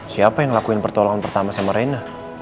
siapa yang lakuin pertolongan pertama sama reina